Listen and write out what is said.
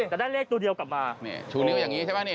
แต่ได้เลขตัวเดียวกลับมานี่ชูนิ้วอย่างนี้ใช่ไหมนี่